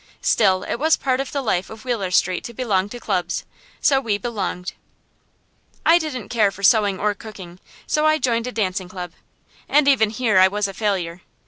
Still, it was part of the life of Wheeler Street to belong to clubs, so we belonged. I didn't care for sewing or cooking, so I joined a dancing club; and even here I was a failure.